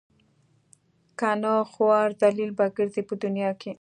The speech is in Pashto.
کنه خوار ذلیل به ګرځئ په دنیا کې.